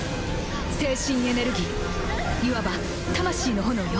精神エネルギーいわば魂の炎よ。